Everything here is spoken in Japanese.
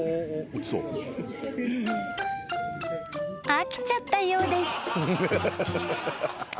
［飽きちゃったようです］